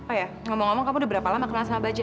oh ya ngomong ngomong kamu udah berapa lama kenal sama baja